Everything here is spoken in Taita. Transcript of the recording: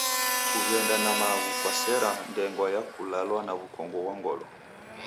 Kughenda na maghu kwasera ndengwa ya kulwala w'ukongo ghwa ngolo.